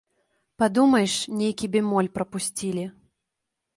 Падумаеш, нейкі бемоль прапусцілі.